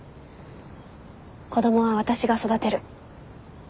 子どもは私が育てる。